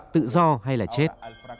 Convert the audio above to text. tự do hay là chết